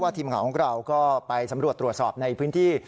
ทีมข่าวของเราก็ไปสำรวจตรวจสอบในพื้นที่